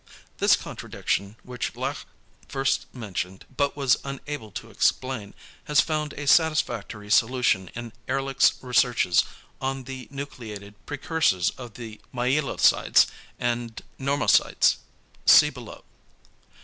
This contradiction, which Laache first mentioned, but was unable to explain, has found a satisfactory solution in Ehrlich's researches on the nucleated precursors of the myelocytes and normocytes (see below).